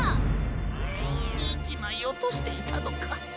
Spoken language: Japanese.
１まいおとしていたのか！？